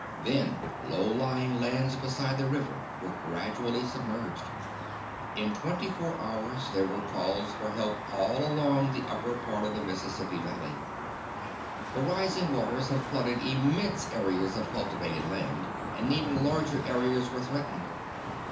Then low lying lands beside the river were gradually submerged. In twenty four hours there were calls for help all along the upper part of the Mississippi Valley. The rising water had flooded immense areas of cultivated land, and even larger areas were threatened.